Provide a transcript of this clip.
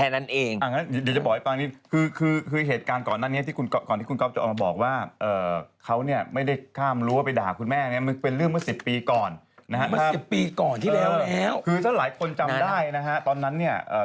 แม่เขาก็ดูแลดีบวชโหอนิดหน่อยเท่านั้นอ่ะเด็กผู้ชายอ่ะแหมธรรมดาส่วนเรื่องผู้หญิงเนี่ย